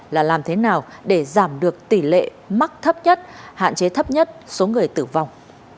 là làm thế nào để giảm được tỷ lệ mắc thấp nhất hạn chế thấp nhất số người tử vong